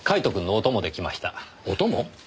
お供？